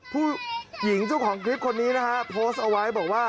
ผู้หญิงเจ้าของคลิปคนนี้นะฮะโพสต์เอาไว้บอกว่า